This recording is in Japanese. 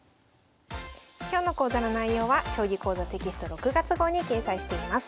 今日の講座の内容は「将棋講座」テキスト６月号に掲載しています。